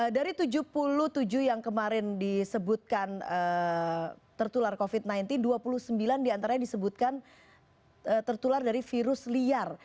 dari tujuh puluh tujuh yang kemarin disebutkan tertular covid sembilan belas dua puluh sembilan diantaranya disebutkan tertular dari virus liar